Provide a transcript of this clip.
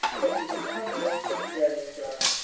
Letty's recovery was very slow.